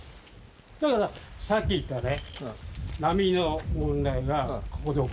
だからさっき言ったね。